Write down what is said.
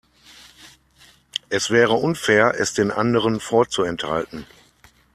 Es wäre unfair, es den anderen vorzuenthalten.